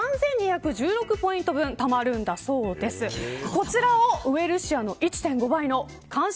こちらをウエルシアの１．５倍の感謝